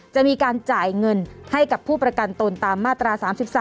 จะมีการจ่ายเงินให้กับผู้ประกันตนตามมาตรา๓๓